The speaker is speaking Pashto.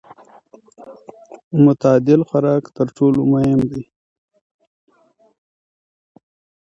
متعادل خوراک تر ټولو مهم دی.